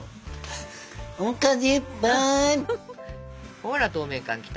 ほら透明感きた。